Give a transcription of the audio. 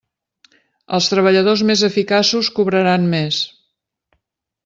Els treballadors més eficaços cobraran més.